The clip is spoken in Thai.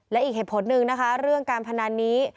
และอีกเหตุผลหนึ่งนะคะเรื่องการพนันนี้